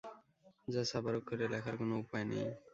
যা ছাপার অক্ষরে লেখার কোনো উপায় নেই।